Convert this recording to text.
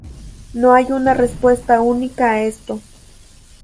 No hay una respuesta única a esto.